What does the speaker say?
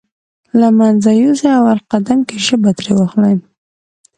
له منځه يوسې اول قدم کې ژبه ترې واخلئ.